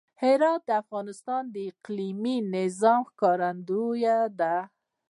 هرات د افغانستان د اقلیمي نظام ښکارندوی دی.